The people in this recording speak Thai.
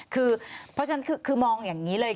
คือเพราะฉะนั้นคือมองอย่างนี้เลย